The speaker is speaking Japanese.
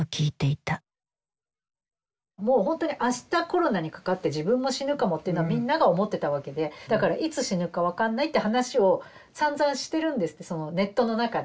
もうほんとにあしたコロナにかかって自分も死ぬかもっていうのはみんなが思ってたわけでだからいつ死ぬか分かんないって話をさんざんしてるんですってそのネットの中で。